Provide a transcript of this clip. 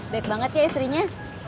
baik banget ya istrinya